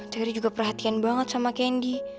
teri juga perhatian banget sama kandi